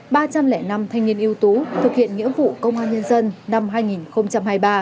ba trăm linh năm thanh niên yếu tố thực hiện nghĩa vụ công an nhân dân năm hai nghìn hai mươi ba